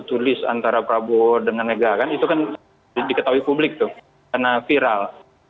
tulis antara prabowo dengan mega kan itu kan diketahui publik tuh karena viral